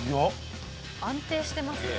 安定してますね。